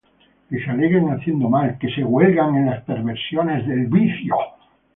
Que se alegran haciendo mal, Que se huelgan en las perversidades del vicio;